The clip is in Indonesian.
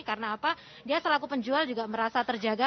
karena apa dia selaku penjual juga merasa terjaga